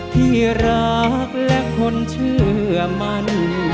ที่รักและคนเชื่อมัน